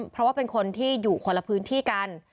เพราะว่าเป็นคนที่อยู่คนละพื้นที่กัน